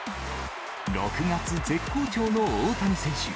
６月、絶好調の大谷選手。